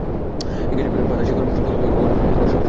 এই গাছের পাতা, শিকড়, ফুল এবং ফল সব কিছু কাজে লাগে।